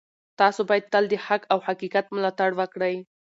تاسو باید تل د حق او حقیقت ملاتړ وکړئ.